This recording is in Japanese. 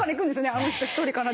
あの人１人かな？